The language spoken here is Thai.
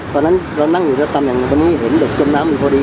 ตอนนั้นเรานั่งอยู่ในตำแหน่งคนนี้เห็นเด็กจมน้ำอยู่พอดี